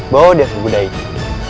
bawa dia ke kuda itu